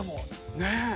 ねえ。